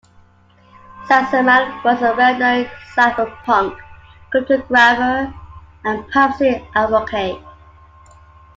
Sassaman was a well-known cypherpunk, cryptographer and privacy advocate.